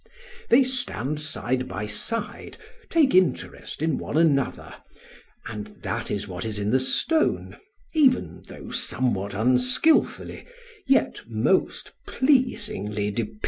They stand side by side, take interest in one another; and that is what is in the stone, even though somewhat unskilfully, yet most pleasingly depicted."